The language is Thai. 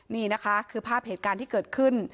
นี่นะคะคือภาพเหตุการณ์ที่เกิดขึ้น